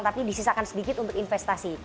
tapi disisakan sedikit untuk investasi